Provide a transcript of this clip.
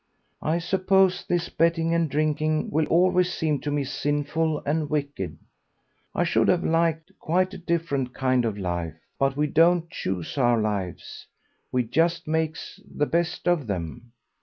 "I suppose this betting and drinking will always seem to me sinful and wicked. I should 'ave liked quite a different kind of life, but we don't choose our lives, we just makes the best of them.